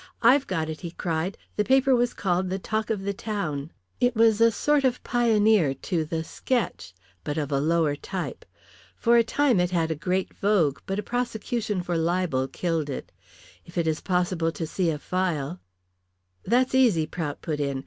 "I've got it," he cried. "The paper was called the Talk of the Town. It was a sort of pioneer to the Sketch, but of a lower type. For a time it had a great vogue, but a prosecution for libel killed it. If it is possible to see a file " "That's easy," Prout put in.